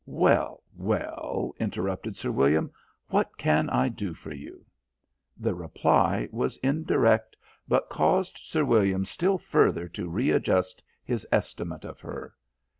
"Well, well," interrupted Sir William, "what can I do for you?" The reply was indirect, but caused Sir William still further to readjust his estimate of her.